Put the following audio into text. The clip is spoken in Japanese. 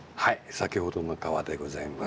先ほどの川でございます。